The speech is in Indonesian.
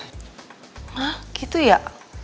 hah gitu ya